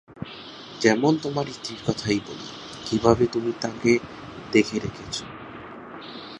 যেমন তোমার স্ত্রীর কথাই যদি বলি, কীভাবে তুমি তাঁকে দেখে রেখেছ।